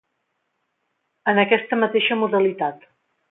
En aquesta mateixa modalitat.